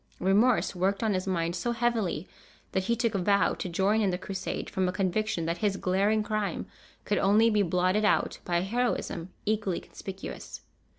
Remorse worked on his mind so heavily that he took a vow to join in the Crusade, from a conviction that his glaring crime could only be blotted out by a heroism equally conspicuous.